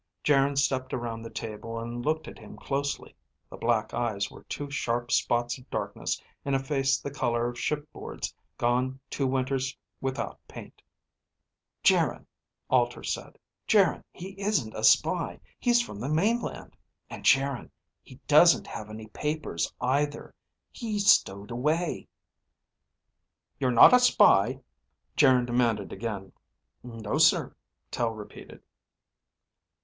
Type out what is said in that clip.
Geryn stepped around the table and looked at him closely. The black eyes were two sharp spots of darkness in a face the color of shipboards gone two winters without paint. "Geryn," Alter said. "Geryn, he isn't a spy. He's from the mainland. And Geryn, he doesn't have any papers, either. He stowed away." "You're not a spy?" Geryn demanded again. "No, sir," Tel repeated.